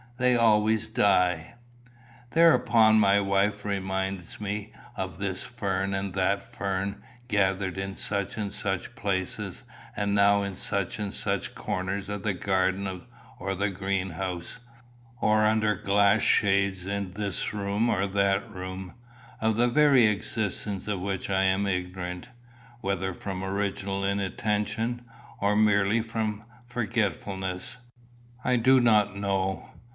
They always die." Thereupon my wife reminds me of this fern and that fern, gathered in such and such places, and now in such and such corners of the garden or the greenhouse, or under glass shades in this or that room, of the very existence of which I am ignorant, whether from original inattention, or merely from forgetfulness, I do not know.